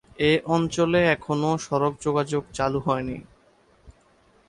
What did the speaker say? এ অঞ্চলে এখনো সড়ক যোগাযোগ চালু হয়নি।